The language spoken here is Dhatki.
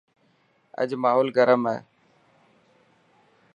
اڄ ماحول گرم هي.